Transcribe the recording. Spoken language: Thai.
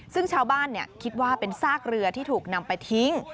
ซึ่งชาวบ้านคิดว่าเป็นซากเรือที่ถูกนำไปทิ้ง